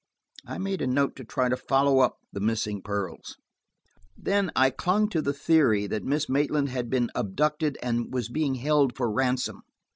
I made a note to try to follow up the missing pearls. Then–I clung to the theory that Miss Maitland had been abducted and was being held for ransom.